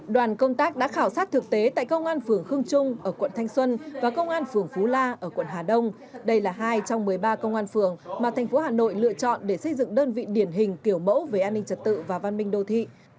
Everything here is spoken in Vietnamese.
đoàn công tác đã khảo sát thực tế tại công an phường khương trung ở quận thanh xuân và công an phường phú la ở quận hà đông đây là hai trong một mươi ba công an phường mà thành phố hà nội lựa chọn để xây dựng đơn vị điển hình kiểu mẫu về an ninh trật tự và văn minh đô thị